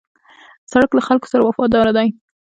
سړک له خلکو سره وفاداره دی.